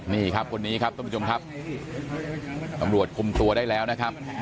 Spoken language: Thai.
นี่ครับคนนี้ครับท่านผู้ชมครับตำรวจคุมตัวได้แล้วนะครับ